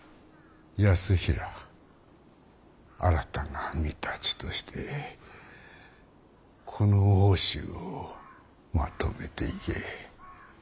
泰衡新たな御館としてこの奥州をまとめていけ。